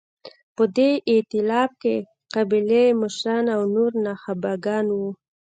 په دې اېتلاف کې قبایلي مشران او نور نخبګان وو.